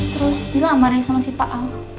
terus bilang amarnya sama si pak al